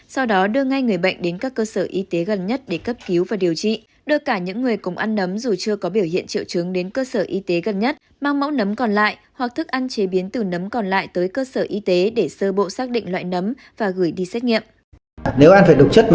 sau đó đưa ngay người bệnh đến các cơ sở y tế gần nhất để cấp cứu và điều trị đưa cả những người cùng ăn nấm dù chưa có biểu hiện triệu chứng đến cơ sở y tế gần nhất mang mẫu nấm còn lại hoặc thức ăn chế biến từ nấm còn lại tới cơ sở y tế để sơ bộ xác định loại nấm và gửi đi xét nghiệm